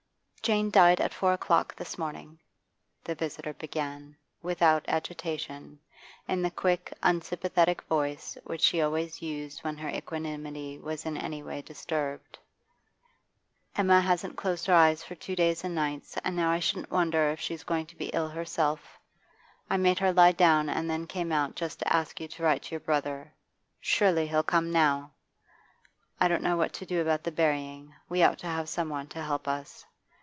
'Jane died at four o'clock this morning,' the visitor began, without agitation, in the quick, unsympathetic voice which she always used when her equanimity was in any way disturbed. 'Emma hasn't closed her eyes for two days and nights, and now I shouldn't wonder if she's going to be ill herself. I made her lie down, and then came out just to ask you to write to your brother. Surely he'll come now. I don't know what to do about the burying; we ought to have some one to help us.